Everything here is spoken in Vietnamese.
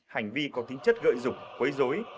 hành vi có tính chất gợi dụng quấy dối